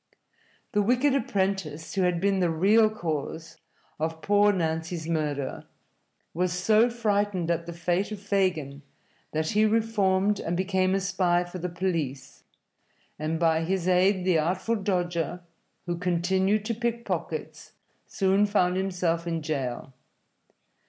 The wicked apprentice, who had been the real cause of poor Nancy's murder, was so frightened at the fate of Fagin that he reformed and became a spy for the police, and by his aid the Artful Dodger, who continued to pick pockets, soon found himself in jail.